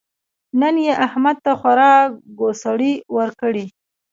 نن يې احمد ته خورا ګوسړې ورکړې.